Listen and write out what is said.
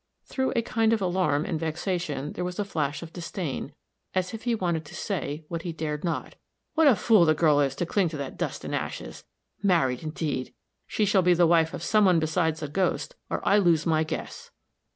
Through a kind of alarm and vexation there was a flash of disdain, as if he wanted to say, what he dared not: "What a fool the girl is to cling to that dust and ashes! Married, indeed! She shall be the wife of some one besides a ghost, or I lose my guess."